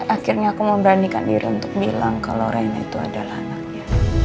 akhirnya aku memberanikan diri untuk bilang kalau reinna itu adalah anaknya